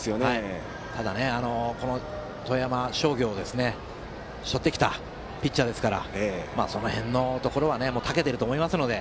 ただ、富山商業を背負ってきたピッチャーですからその辺のところはたけていると思いますので。